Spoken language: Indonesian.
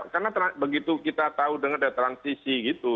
karena begitu kita tahu dengan transisi gitu